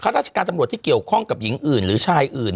ราชการตำรวจที่เกี่ยวข้องกับหญิงอื่นหรือชายอื่น